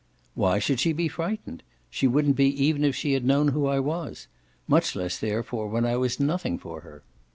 "Why should she be frightened? She wouldn't be even if she had known who I was; much less therefore when I was nothing for her."